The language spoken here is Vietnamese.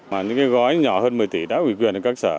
mà những cái gói nhỏ hơn một mươi tỷ đã quyền được các sở